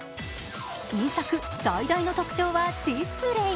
新作最大の特徴はディスプレー。